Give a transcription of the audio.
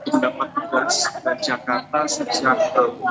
mendapat tugas dari jakarta sejak tahun dua ribu dua puluh dua